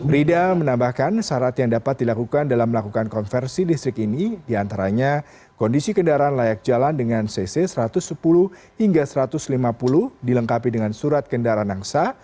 rida menambahkan syarat yang dapat dilakukan dalam melakukan konversi listrik ini diantaranya kondisi kendaraan layak jalan dengan cc satu ratus sepuluh hingga satu ratus lima puluh dilengkapi dengan surat kendaraan angsa